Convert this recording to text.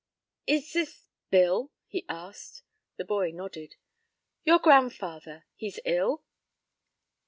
"Is this Bill?" he asked. The boy nodded. "Your grandfather, he's ill?"